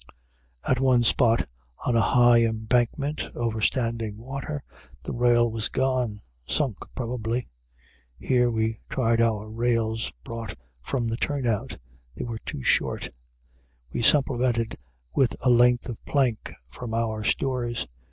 At one spot, on a high embankment over standing water, the rail was gone, sunk probably. Here we tried our rails brought from the turn out. They were too short. We supplemented with a length of plank from our stores.